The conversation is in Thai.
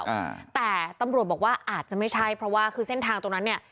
อ่าแต่ตำรวจบอกว่าอาจจะไม่ใช่เพราะว่าคือเส้นทางตรงนั้นเนี้ย